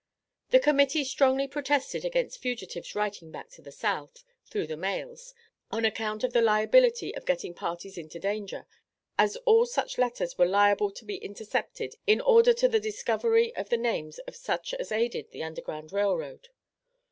The Committee strongly protested against fugitives writing back to the South (through the mails) on account of the liability of getting parties into danger, as all such letters were liable to be intercepted in order to the discovery of the names of such as aided the Underground Rail Road.